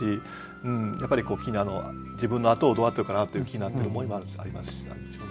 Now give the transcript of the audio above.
やっぱり自分のあとどうなってるかなっていう気になってる思いもあるでしょうね。